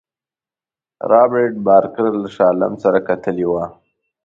رابرټ بارکر له شاه عالم سره کتلي وه.